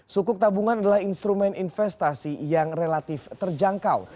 sukuk tabungan adalah instrumen investasi yang relatif terjangkau